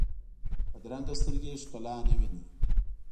بدرنګه سترګې ښکلا نه ویني